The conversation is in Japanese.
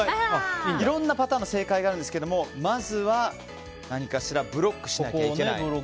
いろんなパターンの正解があるんですがまずは、何かしらブロックしなきゃいけない。